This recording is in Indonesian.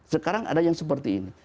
sekarang ada yang seperti ini